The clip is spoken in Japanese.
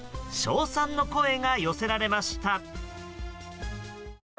称賛の声が寄せられました。